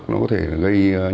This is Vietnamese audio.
nó có thể gây những